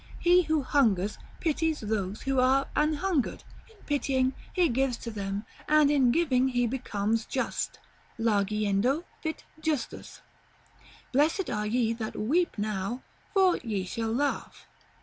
He who hungers, pities those who are an hungered; in pitying, he gives to them, and in giving he becomes just (largiendo fit Justus). 'Blessed are ye that weep now, for ye shall laugh.'